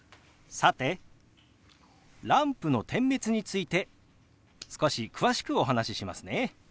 さてランプの点滅について少し詳しくお話ししますね。